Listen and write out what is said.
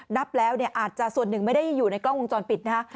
นับแล้วเนี่ยอาจจะส่วนหนึ่งไม่ได้อยู่ในกล้องวงจรปิดนะฮะ